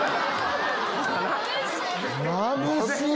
まぶしい！